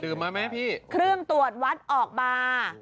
ดื่มไหมพี่ครึ่งตรวจวัดออกมา